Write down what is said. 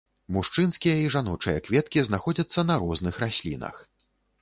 Мужчынскія і жаночыя кветкі знаходзяцца на розных раслінах.